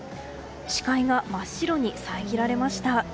視界が真っ白に遮られました。